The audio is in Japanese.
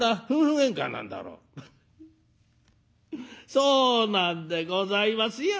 「そうなんでございますよ」。